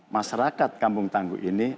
masyarakat kampung tangguh ini